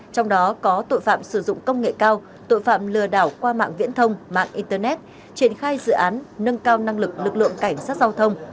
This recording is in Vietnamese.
trong đó có tội phạm sử dụng công nghệ cao tội phạm lừa đảo qua mạng viễn thông mạng internet triển khai dự án nâng cao năng lực lực lượng cảnh sát giao thông